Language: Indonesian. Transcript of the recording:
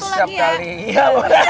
masih satu lagi ya